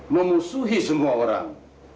memusuhi semua orang